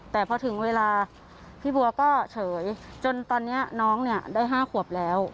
แต่พอถึงเวลาพี่บัวก็เฉยจนตอนนี้น้องเนี่ยได้๕ขวบแล้ว